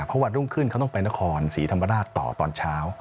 เพราะวันรุ่งขึ้นเขาต้องไปนครศรีธรรมราชต่อตอนเช้า